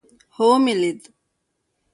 هو ومې لېد.